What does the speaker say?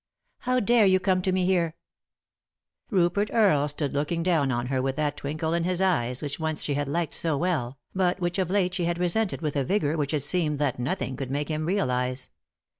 " How dare you come to me here I " Rupert Earle stood looking down on her with that twinkle in his eyes which once she had liked so well, but which of late she had resented with a vigour which it seemed that nothing could make him realise.